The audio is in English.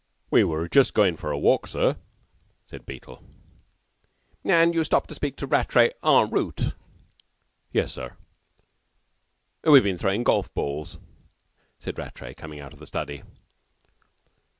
"We were just goin' for a walk, sir," said Beetle. "And you stopped to speak to Rattray en route?" "Yes, sir. We've been throwing golf balls," said Rattray, coming out of the study.